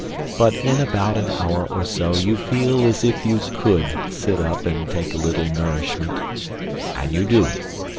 But in about an hour or so you feel as if you could sit up and take a little nourishment. And you do.